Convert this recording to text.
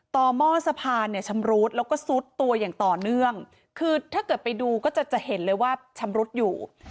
หม้อสะพานเนี่ยชำรุดแล้วก็ซุดตัวอย่างต่อเนื่องคือถ้าเกิดไปดูก็จะจะเห็นเลยว่าชำรุดอยู่